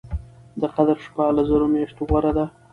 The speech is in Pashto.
د قدر شپه له زرو مياشتو غوره ده